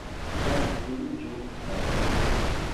Trankviliĝu, Malkomo.